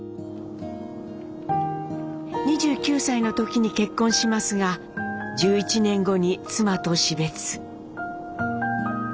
２９歳の時に結婚しますが１１年後に妻と死別。